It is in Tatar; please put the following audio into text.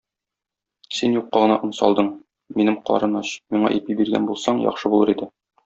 Син юкка гына он салдың, минем карын ач, миңа ипи биргән булсаң, яхшы булыр иде.